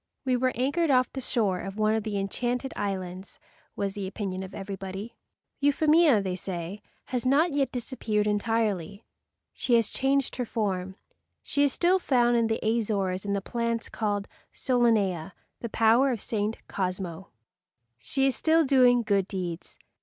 "We were anchored off the shore of one of the enchanted islands," was the opinion of everybody. Euphemia, they say, has not yet disappeared entirely. She has changed her form. She is still found in the Azores in the plant called SOLANEA, the flower of St. Cosmo. She is still doing good deeds.